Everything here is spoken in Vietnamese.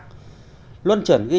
luân chuyển ghi trong bài hỏi này là